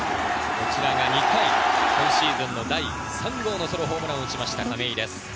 こちらは２回、今シーズン第３号ソロホームランを打った亀井です。